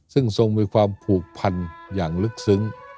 ซึ่งทรงมีความผูกพันอย่างลึกซึ้ง